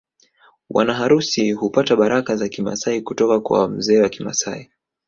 Wanaharusi hupata baraka za Kimasai kutoka kwa mzee wa Kimasai